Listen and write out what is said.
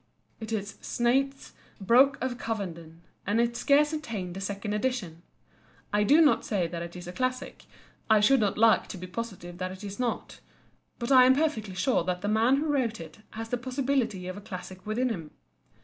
It is Snaith's "Broke of Covenden," and it scarce attained a second edition. I do not say that it is a Classic—I should not like to be positive that it is not—but I am perfectly sure that the man who wrote it has the possibility of a Classic within him.